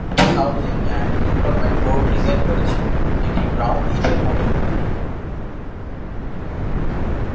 এটি housing and development board design করেছিল এবং এটি ব্রাউন ইটের মত।